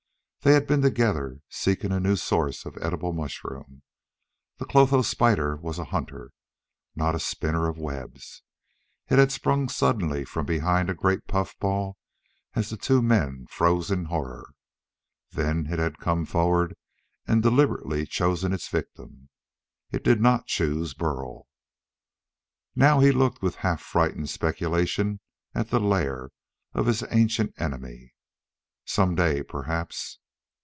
They had been together, seeking a new source of edible mushroom. The clotho spider was a hunter, not a spinner of webs. It had sprung suddenly from behind a great puffball as the two men froze in horror. Then it had come forward and deliberately chosen its victim. It did not choose Burl. Now he looked with half frightened speculation at the lair of his ancient enemy. Some day, perhaps....